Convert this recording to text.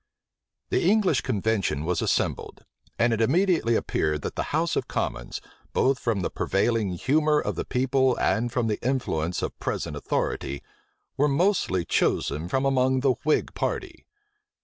The English convention was assembled; and it immediately appeared, that the house of commons, both from the prevailing humor of the people, and from the influence of present authority, were mostly chosen from among the whig party.